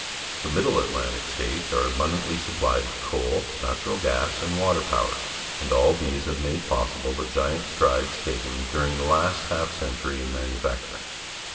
The INIiddle Atlantic States are abundantly supplied with coal, natural gas, and water pawer, and all these have made possible the giant strides taken during the last half century in manufacturing.